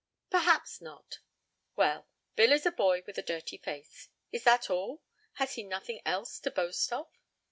"Perhaps not. Well, Bill is a boy with a dirty face. Is that all? Has he nothing else to boast of?"